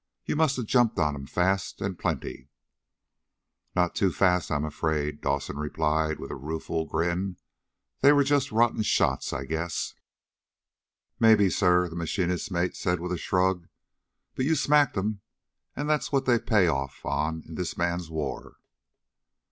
You must have jumped on him fast, and plenty." "Not too fast, I'm afraid," Dawson replied with a rueful grin. "They were just rotten shots, I guess." "Maybe, sir," the machinist's mate said with a shrug. "But you smacked 'em, and that's what they pay off on in this man's war."